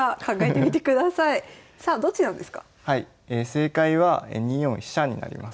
正解は２四飛車になります。